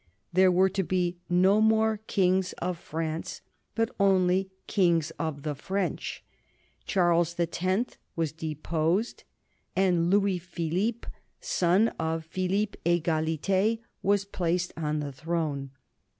There were to be no more kings of France, but only kings of the French. Charles the Tenth was deposed, and Louis Philippe, son of Philippe Egalité, was placed on the throne.